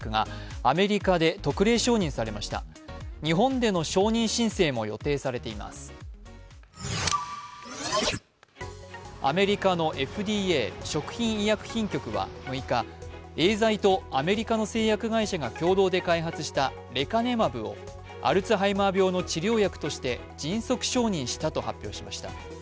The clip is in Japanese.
アメリカのＦＤＡ＝アメリカ食品医薬品局は６日、エーザイとアメリカの製薬会社が共同で開発したレカネマブをアルツハイマー病の治療薬として迅速承認したと発表しました。